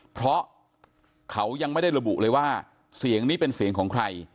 เพราะเขายังไม่ได้ระบุเลยว่าเสียงนี้เป็นเสียงของใคร